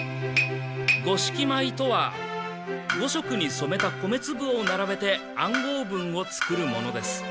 五色米とは五色にそめた米つぶをならべて暗号文を作るものです。